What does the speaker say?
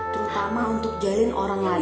terutama untuk jalin orang lain